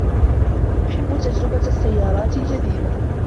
أحب تجربة السيارات الجديدة.